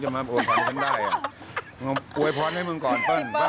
จะมาโวคด้วยไหมครับโวคลงก่อน